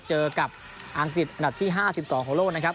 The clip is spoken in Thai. เจอกับอังกฤษอันดับที่๕๒ของโลกนะครับ